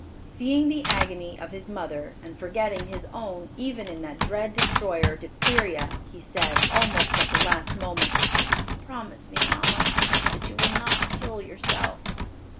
Seeing the agony of his mother, and forgetting his own even in that dread destroyer, diphtheria, he said, almost at the last moment, "Promise me, mamma, that you will not kill yourself."